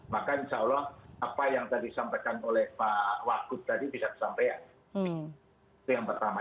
maka insya allah apa yang tadi disampaikan oleh pak wakut tadi bisa disampaikan itu yang pertama